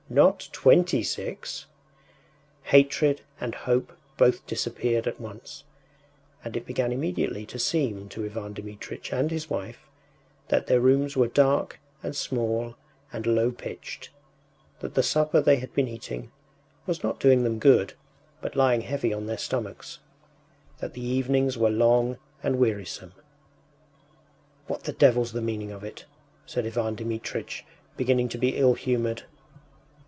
Not 26!” Hatred and hope both disappeared at once, and it began immediately to seem to Ivan Dmitritch and his wife that their rooms were dark and small and low pitched, that the supper they had been eating was not doing them good, but lying heavy on their stomachs, that the evenings were long and wearisome.... “What the devil’s the meaning of it?” said Ivan Dmitritch, beginning to be ill humoured.